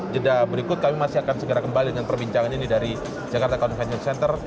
jeda berikut kami masih akan segera kembali dengan perbincangan ini dari jakarta convention center